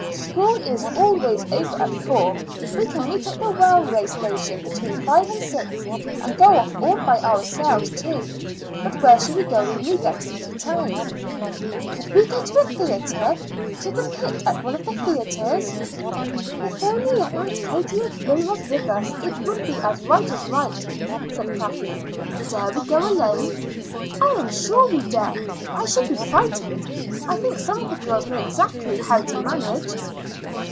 School is always over at four. We can meet at the railway station between five and six, and go off all by ourselves to But where shall we go when we get to town?" "Couldn't we go to a theatre to the pit at one of the theatres?" "If only Aunt Katie O'Flynn was with us it would be as right as right," said Kathleen; "but dare we go alone?" "I am sure we dare. I shouldn't be frightened. I think some of the girls know exactly how to manage."